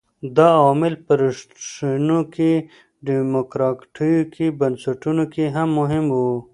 دا عوامل په رښتینو ډیموکراټیکو بنسټونو کې مهم وو.